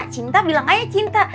cinta bilang aja cinta